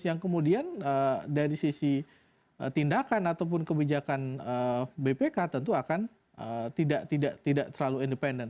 yang kemudian dari sisi tindakan ataupun kebijakan bpk tentu akan tidak terlalu independen